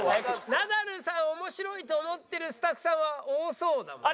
「ナダルさん面白い」と思ってるスタッフさんは多そうだもんね。